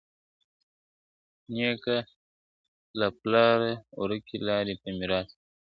نیکه له پلاره ورکي لاري په میراث راوړي !.